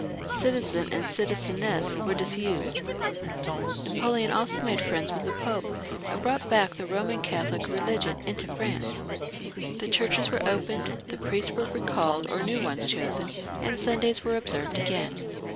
Citizen and citizeness were left off. Napoleon also made friends with the Pope, and brought back the Roman Catholic religion into France. The churches were 430 DIRECTORY AND CONSULATE. [CH. opened, the priests were recalled or new ones chosen, and Sundays were observed again.